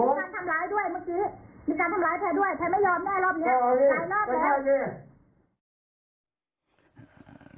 ด้วยก่อนที่มีการทำร้ายจากให้ด้วยแพทย์ไม่รอบไปสองปีได้